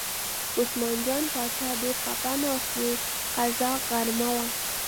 عثمان جان باچا ډېر خپه ناست و، قضا غرمه وه.